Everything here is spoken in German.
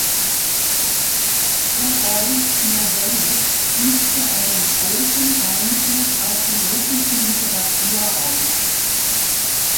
Gogols Novelle übte einen großen Einfluss auf die russische Literatur aus.